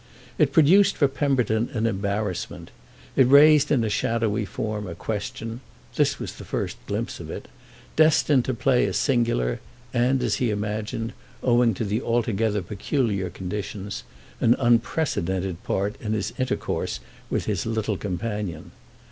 It produced for Pemberton an embarrassment; it raised in a shadowy form a question—this was the first glimpse of it—destined to play a singular and, as he imagined, owing to the altogether peculiar conditions, an unprecedented part in his intercourse with his little companion.